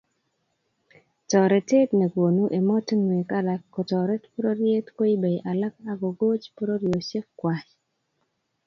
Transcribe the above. Toretet nekonu emotionwek alak kotoret pororiet koibe alak akogoch pororiosiek kwai